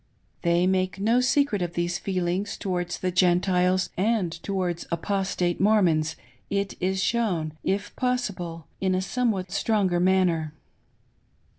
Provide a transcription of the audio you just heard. They make no secret of thtese feelings towards the Gentiles, and towards Apostate Mormons it is shown, if possi ble, in a somewhat stronger manner.